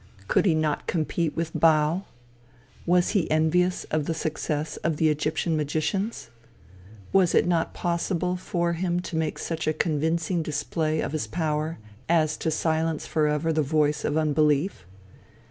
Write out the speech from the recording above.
Could he not compete with Baal? Was he envious of the success of the Egyptian magicians? Was it not possible for him to make such a convincing display of his power as to silence forever the voice of unbelief?